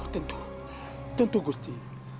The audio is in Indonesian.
tentu tentu gusti